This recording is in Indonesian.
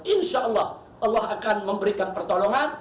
insya allah allah akan memberikan pertolongan